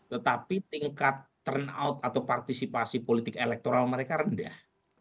tetapi tingkat turnout atau partisipasi politik elektoral mereka rendah